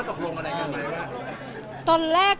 มีข้อความอะไรขึ้นกันแล้วกันไหมคะ